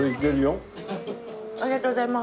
ありがとうございます。